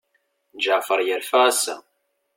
Ǧeɛfer yerfa ass-a.